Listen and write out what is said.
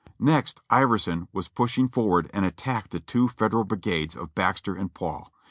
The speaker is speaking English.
Next Iverson was pushed forward and attacked the two Fed eral brigades of Baxter and Paul.